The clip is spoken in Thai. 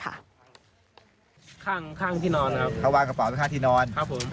ข้างที่นอนครับเขาวางกระเป๋าไปข้างที่นอน